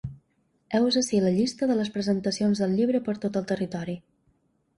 Heus ací la llista de les presentacions del llibre per tot el territori.